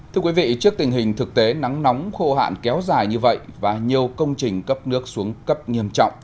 thưa quý vị trước tình hình thực tế nắng nóng khô hạn kéo dài như vậy và nhiều công trình cấp nước xuống cấp nghiêm trọng